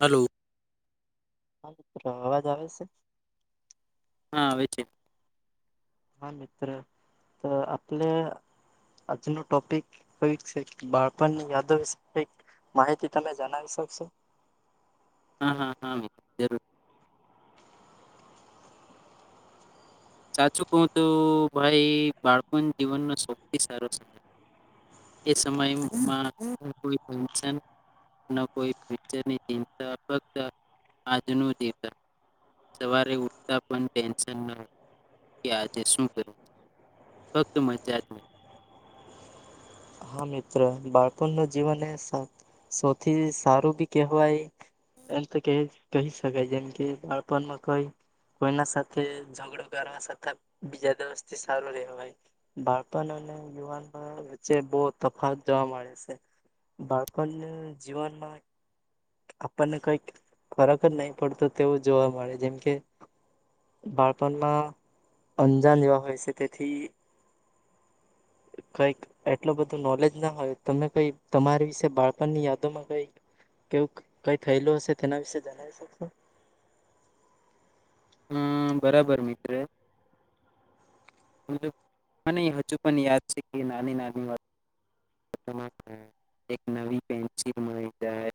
Hello હા મિત્ર અવાજ આવે સે હા આવે છેે હા મિત્ર તો આપણે આજનો ટોપિક છે કે બાળપણની યાદો વિષે કઈક માહિતી તમે જનાવી શકશો હા હા હા જરૂર સાચું કવ તો ભાઈ બાળપણ જીવનનો સૌથી સારો સમય એ સમયમાં કોઈ ટેન્શન ન કોઈ ફ્યુચરની ચિંતા ફકત આજનું જીવન સવારે ઊઠતા પણ ટેન્શન ઉઠતા પણ ટેન્શન [unintelligible] યાર આજે શું કરું? કઈ મજા જ નહી મિત્રો, બાળપણનુ જીવન એ સૌ સૌથી સારું બી કહેવાય એમ તો કઈ કહી શકાય જેમ કે બાળપણમાં કઈ કોઈના સાથે જઘડો કરવા છતાં બીજા દિવસથી સારું રહેવાય. બાળપણ અને યુવાનમાં વચ્ચે બવ તફાવત જોવા મળે સે. બાળપણને જીવનમાં આપણને કઈક ફરક જ નહીં પડતો તેવું જોવા મળે. જેમ કે બાળપનમાં અંજાન જેવા હોય સે તેથી કઈક એટલું બધું નોલેજ ના હોય. તમે કઈ તમારી વિશે બાળપણની યાદોમાં કઈક કેવુક કઈ થયેલું હશે તેના વિશે જનાવી શકશો? હમ્મ બરાબર મિત્ર. મને હજુ પન યાદ છે કે નાની નાની વાત [unintelligible] એક નવી પેન્સિલ મળી જાય.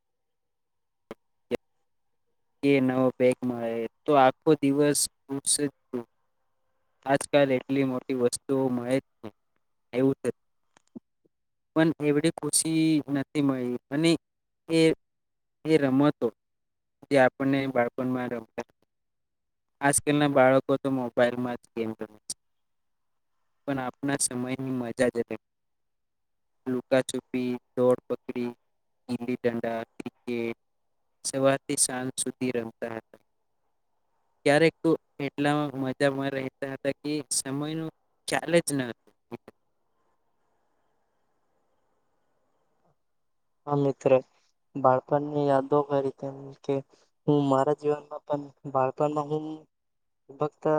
કે નવો બેગ મળે તો આખો દિવસ ખુશ જ હોવ આજકાલ એટલી મોટી વસ્તુઓ મળે એવું [unintelligible] પન એવડી ખુશી નથી મળી. અને એ એ રમતો જે આપણને બાળપણમાં રમતા આજકલના બાળકો તો મોબાઈલમાં જ ગેમ રમે છે. પન આપના સમયની મજાજ કઈક લુકા છુપી, દોડ પકડી ગીલી દંડા ક્રિકેટ સવારથી સાંજ સુધી રમતા હતા. ક્યારેક તો એટલા મજામાં રહેતા હતા કે સમયનું ખ્યાલ જ ન હતું હા મિત્ર, બાળપનની યાદો કરી કે કે હું મારા જીવનમાં પણ બાળપણમાં હું તો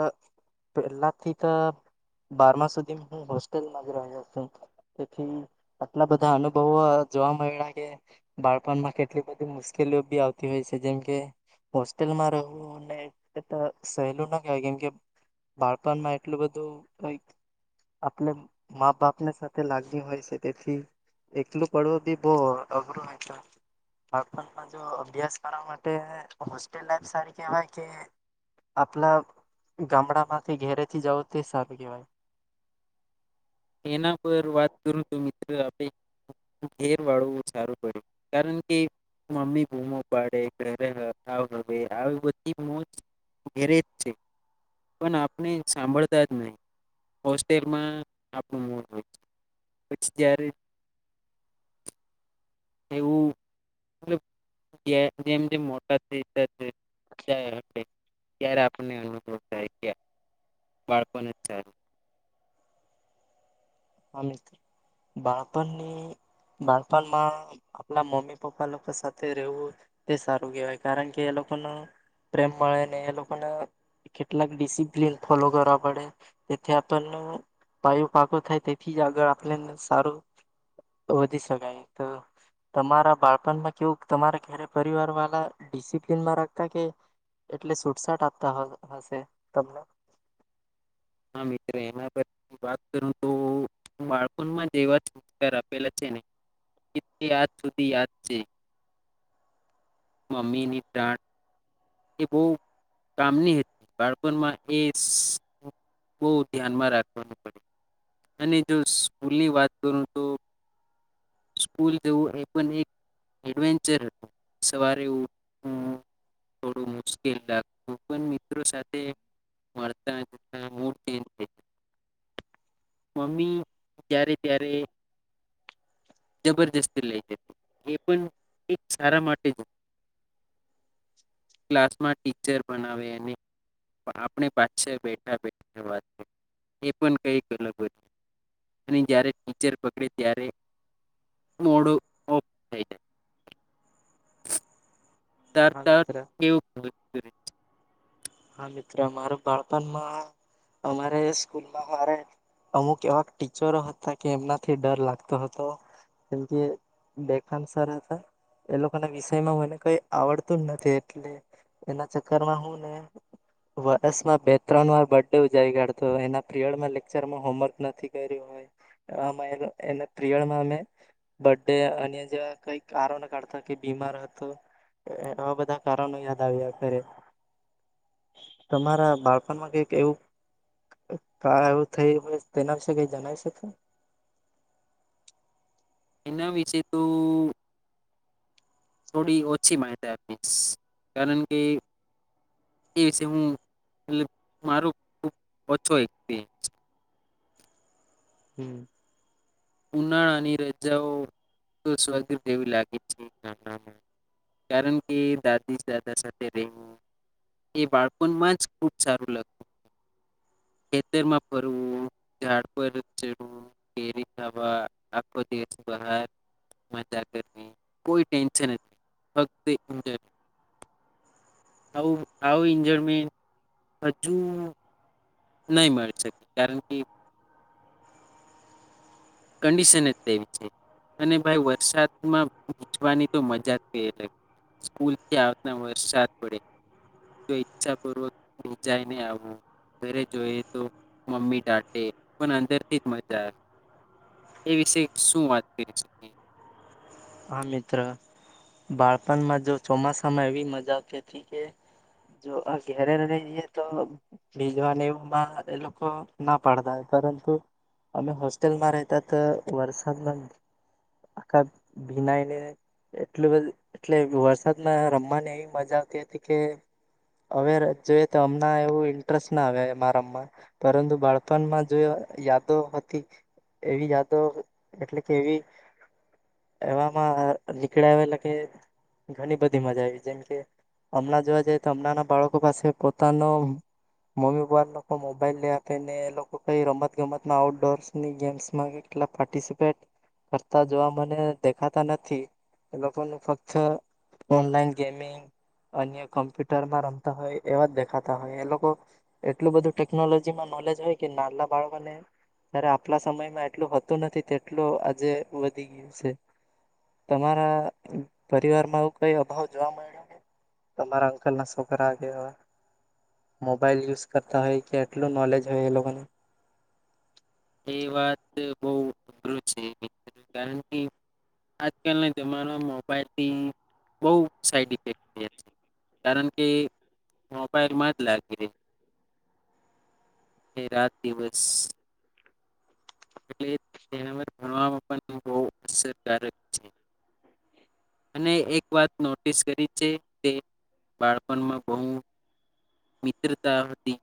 પેલા થી તો બારમા સુધી હું હોસ્ટેલમાં જ રહ્યો તો. તેથી આટલા બધા અનુભવો જોવા મયડા કે બાળપણમાં કેટલી બધી મુશ્કેલીઓ બી આવતી હોયસે. જેમકે હોસ્ટેલમાં રહેવુંને એટલું સહેલું ના કેવાય કેમકે બાળપનમાં એટલું બધું કઈક આપને મા બાપને સાથે લાગ્યું હોય છે. તેથી એકલું પડવુ બી બવ અઘરું હોય તો. બાળપણમાં જો અભ્યાસ કરવા માટે હોસ્ટેલ લાઈફ સારી કેવાય કે આપલા ગામડામાંથી ઘેરેથી જાવુ તે સારું કેવાય? એના પર વાત કરું તો મિત્ર આપડે ઘેર વાળવું સારું પડ્યું. કારણ કે મમ્મી બૂમો પાડે ઘરે વહેલો આવજે હવે આવ બધી મોજ ઘેરે જ છે. પન આપને સાંભળતા જ નહી હોસ્ટેલમાં [unintelligible] પછી ત્યારે એવું. [unintelligible] જે જેમ જેમ મોટા [unintelligible] થઇ ત્યારે આપને અનુભવ થાય છે. [unintelligible] હા. મિત્ર, બાળપણની બાળપણમાં આપણા મમ્મી પપ્પા લોકો સાથે રહેવું તે સારું કેહેવાય. કારણ કે, એ લોકોનો પ્રેમ મળે ને એ લોકોનો કેટલાક ડિસિપ્લન ફોલો કરવા પડે. તેથી આપણને પાયો પાકો થાય.. તેથી જ આગળ આપને સારું વધી શકાય. તો તમારા બાળપણમાં કેવું તમારા ધેરે પરિવાર વાલા ડિસિપ્લીનમાં રાખતા કે એટલી છૂટછાટ આપતા હશે તમને? હા. મિત્ર એમા તો વાત કરું તો બાળપણમાં જેવા [unintelligible] સંસ્કાર આપેલા છે ને તે આજ સુધી યાદ છે. મમ્મીની ડાંટ એ બહુ કામની હતી. બાળપણમાં એ બહુ ધ્યાનમાં બહુ રાખવાનું પડે. અને જો સ્કૂલની વાત કરું તો સ્કૂલ જવું એ પણ એકડવેન્ચર હતું. સવારે ઉઠવુ થોડું મુશ્કેલ લાગતું પણ મિત્રો સાથે મળતા જતા [inaudible] મમ્મી જ્યારે ત્યારે જબરજસ્તી લઈ જતી. એ પણ એક સારા માટે જ હતું. ક્લાસમાં ટીચર ભણાવે અને આપણે પાછળ બેઠા-બેઠા વાતો કરીએ પણ કઈક અલગ હતું અને જ્યારે ટીચર પકડે ત્યારે.. મોઢું ઑફ થઈ જાય. ત હા ત [unintelligible] મિત્ર કેવું [inaudible] હા. મિત્ર મારુ બાળપણમાં અમારે સ્કૂલમાં અમારે અમુક એવા ટીચરો હતા કે, એમનાથી ડર લાગતો હતો કેમકે બે-ત્રણ સર હતા. એ લોકોના વિષયમાં મને કઈ આવડતું નથી એટલે એના ચક્કરમાં હું ને.. વર્ષમાં બે-ત્રણ વાર બર્થડે ઉજાવી કાઢતો. એના પિરિયડમાં લેક્ચરમાં હોમવર્ક નથી કર્યું હોય. [unintelligible] એના પિરિયડમાં અમે બર્થડે અન્ય જેવા કઈક કારણ કાઢતા બીમાર હતો એવા બધા કારણો યાદ આવે અત્યારે. તમારા બાળપણમાં કઈક એવું [unintelligible] એવું થયું હોય તેના વિશે કઈ જણાવી શકશો? એના વિશે તો થોડી ઓછી માહિતી આપીશ. કારણ કે, એ વિશે હું [unintelligible] મારો ખુબ ઓછો એક્સ્પિરિયન્સ છે. હમ. ઉનાળાની રજાઓ તો સ્વર્ગ જેવી લાગે છે. [unintelligible] માં કારણ કે દાદી-દાદા સાથે રહેવું. એ બાળપણમાં જ ખુબ સારું લાગતું ખેતરમાં ફરવું, ઝાડ પર ચડવું, કેરી ખાવા આખો દીવસ બહાર, મજા કરવી કોઈ ટેન્શન જ નહીં ફક્ત એન્જૉય. આવું આવું ઇન્જોય મે હજુ. નહી મળી શકે, કારણ કે. કંડિશન જ તેવી છે. અને ભાઈ વરસાદમાં [inaudible] વાની તો મજા જ કંઈ અલગ! સ્કૂલથી આવતા વરસાદ પડે. તો ઈચ્છા પૂર્વક ભીંજાયને આવવુ. ઘરે જઈએ તો મમ્મી ડાટે પણ અંદરથી જ મજા આવે.. એ વિશે શું વાત કરી શકીએ? હા. મિત્ર બાળપણમાં જો ચોમાસામાં એવી મજા આવતી હતી કે, જો આ ઘેરે રહી જએ તો ભીજવાને એવામાં એ લોકો ના પાડતા પરંતુ અમે હોસ્ટેલમાં રહેતા તો વરસાદમાં આખા ભીનાઈને એટલું બધું.. એટલે વરસાદમાં રમવાની એવી મજા આવતી હતી કે હવે જોઈએ તો, હમણા એવું ઇન્ટરેસ્ટ ના આવે એમાં રમવાની પરંતુ બાળપણમાં જે યાદો હતી એવી યાદો એટલે કે એવી એવામાં નિકળાવેલા કે, ઘણી બધી મજા આવી જાય. જેમકે હમણાં જોવા જઈએ તો હમણાં ના બાળકો પાસે પોતાનો મમ્મી પપ્પા લોકો મોબાઈલ લઈ આપે ને એ લોકો કઈ રમત-ગમતમાં આઉટડોર્સની ગેમ્સમાં કેટલાંક પાર્ટિસિપેટ કરતા જોવા મળે દેખાતા નથી. એ લોકોનું ફક્ત ઓનલાઈન ગેમિંગ, અન્ય કમ્પ્યુટરમાં રમતા હોય એવા જ દેખાતા હોય. એ લોકો એટલું બધું ટેકનોલોજીમાં નોલેજ હોય કે નાના બાળકોને જ્યારે આપલા સમયમાં એટલું હોતું નથી. તેટલું આજે વધી ગયું છે તમારા પરિવારમાં આવો કંઈ અભાવ જોવા મળ્યો ને? તમારા અંકલના સોકરા કે આવા મોબાઈલ યુઝ કરતા હોય કે એટલું નોલેજ હોય એ લોકોને એ વાત બહુ અઘરું છે. કારણ કે આજકાલના જમાનામાં મોબાઈલથી બહુ સાઈડ ઇફેક્ટ થયા છે. કારણ કે મોબાઈલમાં જ લાગી રહે. એ રાત દિવસ.. એટલે ભણવામાં પણ બહુ અસરકારક છે. અને એક વાત નોટિસ કરી છે. તે બાળપણમાં બહુ મિત્રતા હતી..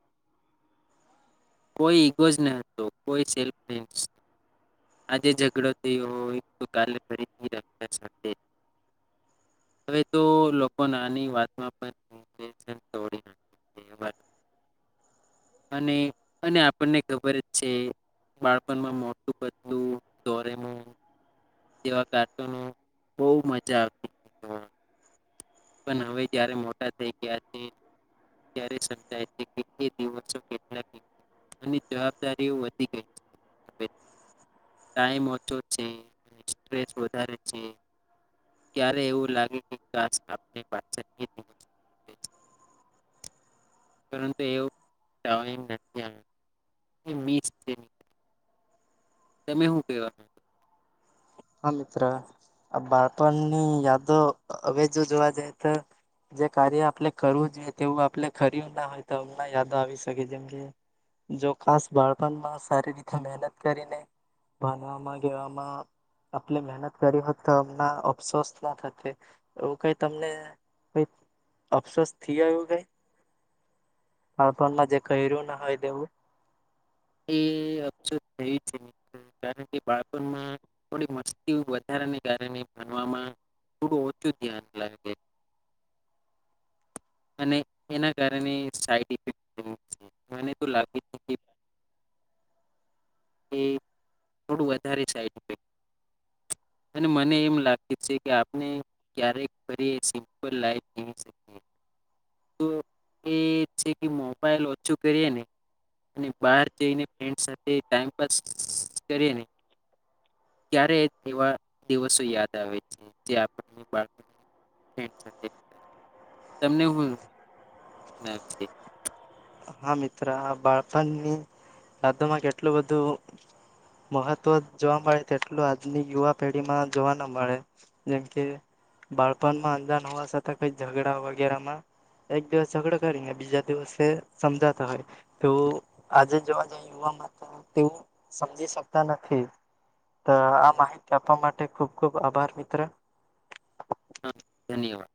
કોઈ ઈગો જ ન હતો કોઈ સેલ્ફનેસ. આજે ઝઘડો થયો હોય તો કાલે ફરીથી રમતાં એકસાથે. હવે તો લોકો નાની વાત પણ રિલેશન તોડી નાખે છે. અને અને આપણને ખબર જ છે. બાળપણમાં મોટું-પતલું, ડોરેમોન જેવા કાર્ટૂનો બહુ મજા આવતી તી જોવાની. પણ હવે, જયારે મોટા થઈ ગયા છીએ ત્યારે સમજાય છે કે તે દિવસો કેટલાં કીમતી હતા? અને જવાબદારીઓ વધી ગઈ છે. હવે ટાઇમ ઓછો છે સ્ટ્રેસ વધારે છે.. ક્યારે એવું લાગે કે કાસ.. આપણે પાછળ [unintelligible] પરંતુ એવ [unintelligible] [inaudible] [unintelligible] તમે શું કહેવા માંગો? હા.. મિત્ર.. આ બાળપણની યાદો હવે જો જોવા જઈએ તો જે કાર્ય આપણે કરવું જોઈએ તેવું આપણે કર્યું ના હોય. તો હમણાં યાદો આવી શકે જેમ કે જો ખાસ બાળપણમાં સારી રીતે મહેનત કરીને ભણવામાં કે એવામાં... આપણે મહેનત કરી હોત તો હમણા અફસોસ ના થતે. એવું કંઈ તમને કંઈ અફસોસ થયો એવું કંઈ? બાળપણમાં જે કર્યું ના હોય તેવું.. એ.. અફસોસ થાય છે કારણ કે બાળણમાં થોડી મસ્તી વધારાને કારણે ભણવામાં થોડું ઓછું ધ્યાન લાગે અને એના કારણે સાઈડ ઇફેક્ટ થાય છે. મને તો લાગે છે કે... થોડું વધારે સાઈડ ઇફેક્ટ. અને મને એમ લાગે છે કે આપણે ક્યારે ફરી એ સિમ્પલ લાઈફ જીવી શકીએ... તો એ છે મોબાઈલ ઓછું કરીએ ને અને બહાર જઈને ફ્રેન્ડ સાથે ટાઇમપાસ કરીએને ત્યારે એવા દિવસો યાદ આવે છે જે આપણે બાળપણમાં ફ્રેન્ડ સાથે. તમને શું.... ના [inaudible] હા.. મિત્ર.. હા! બાળપણની યાદોમાં કેટલું બધું મહત્વ જોવા મળે તેટલું આજની યુવા પેઢી માં જોવા ના મળે. જેમ કે બાળપણમાં અજાણ હોવા છતાં કઈ ઝઘડા વગેરેમાં એક દિવસ ઝઘડો કરીને બીજા દિવસે... સમજાતા હોય. તો આજે જોવા જાય યુવાવામાં તો તેવું સમજી શકતા નથી. તો આ માહિતી આપવા માટે ખુબ.. ખુબ.. આભાર.. મિત્ર. હા ધન્યવાદ